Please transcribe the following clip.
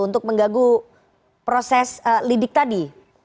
untuk menggaguh proses lidik tadi